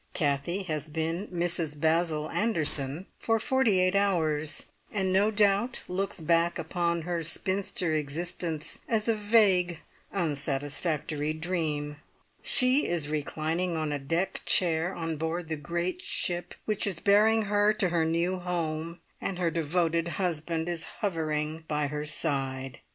Kathie has been Mrs Basil Anderson for forty eight hours, and no doubt looks back upon her spinster existence as a vague, unsatisfactory dream. She is reclining on a deck chair on board the great ship which is bearing her to her new home, and her devoted husband is hovering by her side.